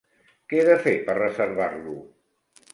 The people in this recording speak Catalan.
Que he de fer per reservar-lo?